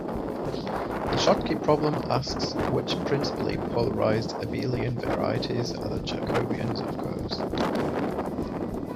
The Schottky problem asks which principally polarized abelian varieties are the Jacobians of curves.